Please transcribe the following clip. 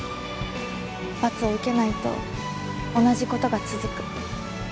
罰を受けないと同じことが続く。